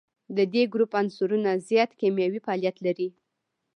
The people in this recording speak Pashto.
د دې ګروپ عنصرونه زیات کیمیاوي فعالیت لري.